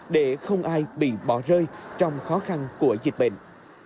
để không ai bị bỏ rơi trong khó khăn của dịch bệnh